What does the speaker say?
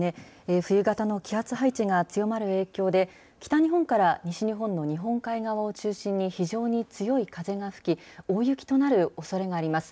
冬型の気圧配置が強まる影響で、北日本から西日本の日本海側を中心に非常に強い風が吹き、大雪となるおそれがあります。